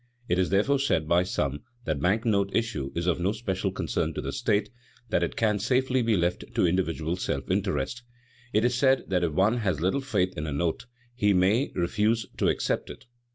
It is therefore said by some that bank note issue is of no special concern to the state, that it can safely be left to individual self interest. It is said that if one has little faith in a note, he may refuse to accept it.